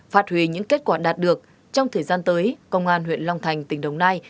phát huy những kết quả đạt được trong thời gian tới công an huyện long thành tỉnh đồng nai